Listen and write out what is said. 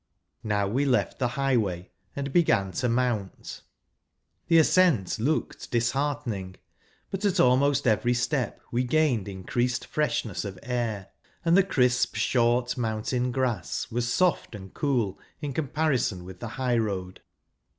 Now we left the highway, and began to mount. The ascent looked disheartening, but at almost evei'y step we gained increased freshness of air ; and the crisp short mountain grass was soft and cool in comparison with the high road.